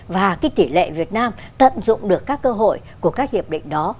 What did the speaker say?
và cái tỷ lệ việt nam tận dụng được các cơ hội của các hiệp định đó